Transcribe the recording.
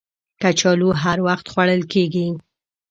کچالو هر وخت خوړل کېږي